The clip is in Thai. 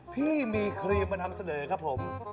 พี่มีครีมมาทำเสนอครับผม